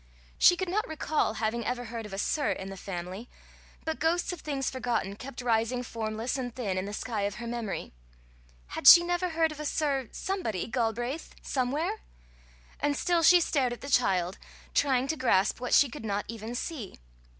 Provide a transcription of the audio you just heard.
She could not recall having ever heard of a Sir in the family; but ghosts of things forgotten kept rising formless and thin in the sky of her memory: had she never heard of a Sir Somebody Galbraith somewhere? And still she stared at the child, trying to grasp what she could not even see.